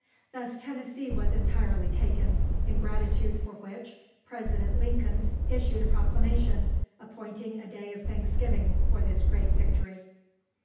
Thus Tennessee was entirely taken, in gratitude for which President Lincoln issued a proclamation, appointing a day of thanksgiving for this great victory.